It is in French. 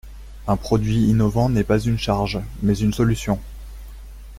Un produit innovant n’est pas une charge, mais une solution.